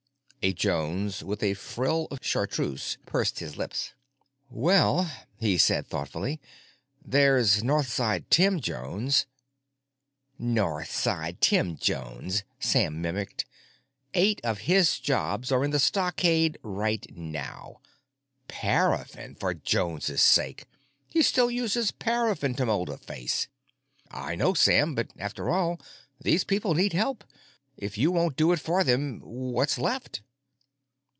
A Jones with a frill of chartreuse pursed his lips. "Well," he said thoughtfully, "there's Northside Tim Jones——" "Northside Tim Jones," Sam mimicked. "Eight of his jobs are in the stockade right now! Paraffin, for Jones's sake—he still uses paraffin to mold a face!" "I know, Sam, but after all, these people need help. If you won't do it for them, what's left?"